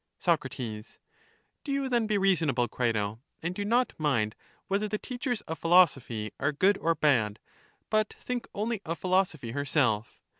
Soc, Do you then be reasonable, Crito, and do not mind whether the teachers of philosophy are good or bad, but think only of philosophy herself.